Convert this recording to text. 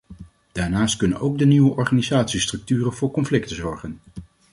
Daarnaast kunnen ook de nieuwe organisatiestructuren voor conflicten zorgen.